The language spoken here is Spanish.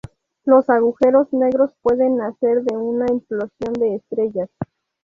Los agujeros negros pueden nacer de una implosión de estrellas.